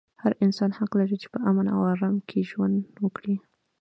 هر انسان حق لري چې په امن او ارام کې ژوند وکړي.